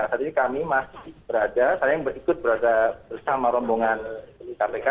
saat ini kami masih berada saya yang ikut berada bersama rombongan kpk